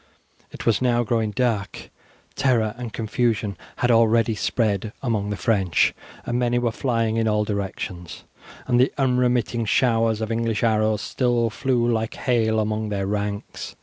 It was now growing dark, terror and confusion had already spread among the French, and many were flying in all directions, and the unremitting showers of English arrows still flew like hail among their ranks.